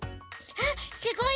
あっすごい！